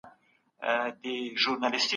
حکومتونه کله د مطبوعاتو ازادي تضمینوي؟